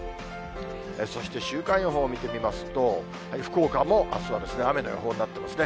そして、週間予報を見てみますと、福岡もあすは雨の予報になってますね。